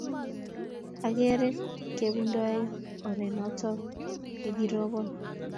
ang'er kebundoe orenoto ya kirobon